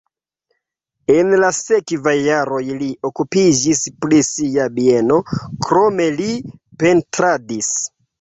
En la sekvaj jaroj li okupiĝis pri sia bieno, krome li pentradis.